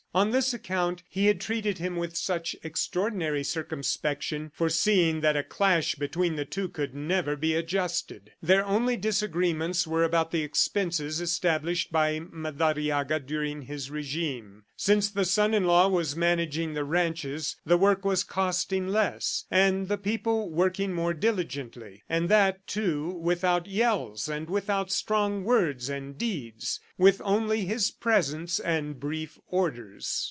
On this account he had treated him with such extraordinary circumspection, foreseeing that a clash between the two could never be adjusted. Their only disagreements were about the expenses established by Madariaga during his regime. Since the son in law was managing the ranches, the work was costing less, and the people working more diligently; and that, too, without yells, and without strong words and deeds, with only his presence and brief orders.